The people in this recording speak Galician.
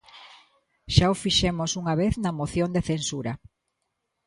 Xa o fixemos unha vez na moción de censura.